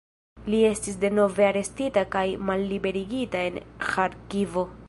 Li estis denove arestita kaj malliberigita en Ĥarkivo.